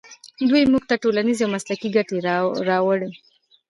دوی موږ ته ټولنیزې او مسلکي ګټې راوړي.